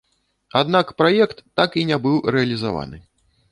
Аднак праект так і не быў рэалізаваны.